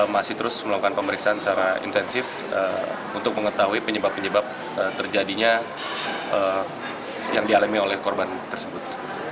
masih terus melakukan pemeriksaan secara intensif untuk mengetahui penyebab penyebab terjadinya yang dialami oleh korban tersebut